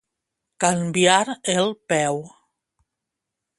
Canviar el peu.